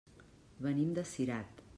Venim de Cirat.